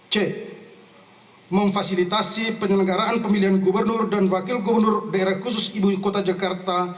c memfasilitasi penyelenggaraan pemilihan gubernur dan wakil gubernur daerah khusus ibu kota jakarta